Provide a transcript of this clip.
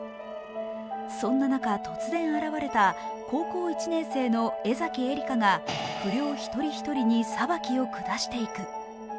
そんな中、突然現れた高校１年生の江崎瑛里華が不良一人一人に裁きを下していく。